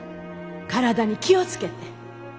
体に気を付けて。